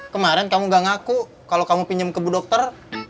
kemarin kamu gak ngaku kalau kamu pinjam ke bu dokter